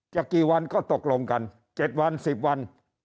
กี่วันก็ตกลงกัน๗วัน๑๐วัน